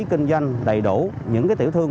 kinh doanh đầy đủ những cái tiểu thương